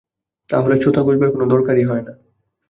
তা হলে ছুতো খোঁজবার কোনো দরকারই হয় না।